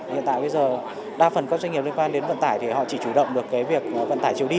hiện tại bây giờ đa phần các doanh nghiệp liên quan đến vận tải thì họ chỉ chủ động được cái việc vận tải chiều đi